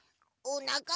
おなか？